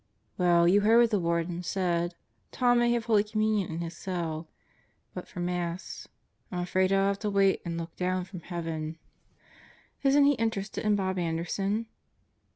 "Well, you heard what the Warden said. Tom may have Holy Communion in his cell; but for Mass ... I'm afraid he'll have to wait and look down from heaven." "Isn't he interested in Bob Anderson?"